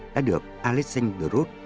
đã được alessandro